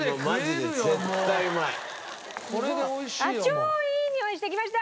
超いいにおいしてきました！